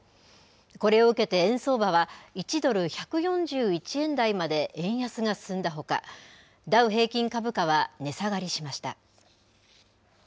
これを受けて円相場は１ドル１４１円台まで円安が進んだほかダウ平均株価は値下がりしました。